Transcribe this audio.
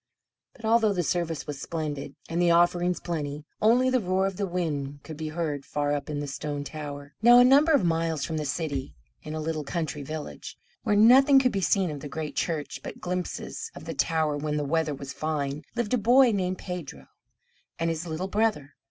But although the service was splendid, and the offerings plenty, only the roar of the wind could be heard, far up in the stone tower. Now, a number of miles from the city, in a little country village, where nothing could be seen of the great church but glimpses of the tower when the weather was fine, lived a boy named Pedro, and his little brother.